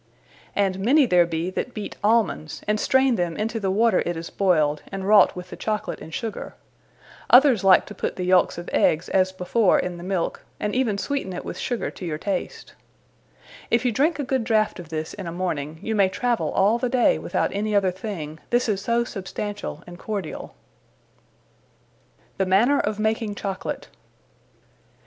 And many there be that beat Almonds, and strayne them into the water it is boyled, and wrought with the Chocolate and Sugar: others like to put the yelkes of eggs as before in the milke, and even sweeten it with Sugar to your taste: If you drinke a good draught of this in a morning, you may travell all the day without any other thing, this is so Substantiall and Cordiall._ The manner of making Chocolate.